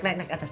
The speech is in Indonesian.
naik naik atas